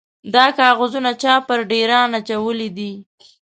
_دا کاغذونه چا پر ډېران اچولي دي؟